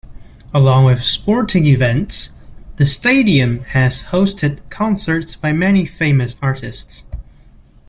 Along with sporting events, the stadium has hosted concerts by many famous artists.